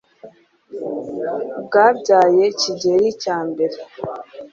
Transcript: Bwabyaye Kigeli cya mbere.